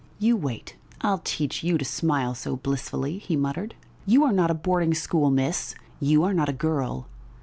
"You wait; I'll teach you to smile so blissfully," he muttered. "You are not a boarding school miss, you are not a girl.